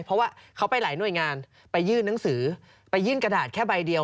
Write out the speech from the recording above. เพราะว่าเขาไปหลายหน่วยงานไปยื่นหนังสือไปยื่นกระดาษแค่ใบเดียว